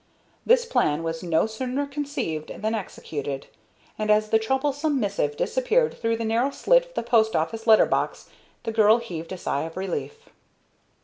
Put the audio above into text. This plan was no sooner conceived than executed; and, as the troublesome missive disappeared through the narrow slit of the post office letter box, the girl heaved a sigh of relief.